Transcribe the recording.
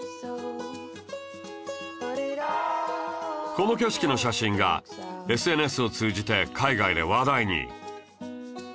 この景色の写真が ＳＮＳ を通じて海外で話題に